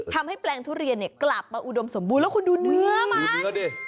ทำให้แปลงทุเรียนเนี่ยกลับมาอุดมสมบูรณ์แล้วคุณดูเนื้อมา